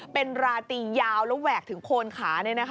เป็นราตียาวแล้วแหวกถึงโคนขา